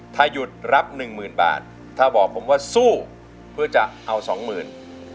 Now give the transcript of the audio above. ถ้าหยุดรับหนึ่งหมื่นบาทถ้าบอกผมว่าสู้เพื่อจะเอาสองหมื่น